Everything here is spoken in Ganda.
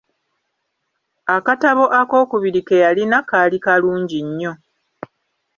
Akatabo ak’okubiri ke yalina kaali kalungi nnyo.